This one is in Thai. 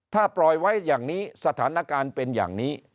ถ้าปล่อยไว้อย่างนี้สถานการณ์เป็นอย่างนี้